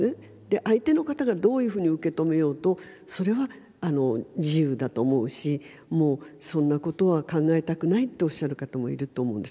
で相手の方がどういうふうに受け止めようとそれは自由だと思うしもうそんなことは考えたくないっておっしゃる方もいると思うんです。